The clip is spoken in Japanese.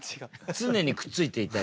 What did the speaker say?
常にくっついていたい。